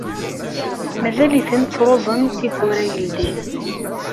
Mazal-ten ttruẓen tiwwura yeldin.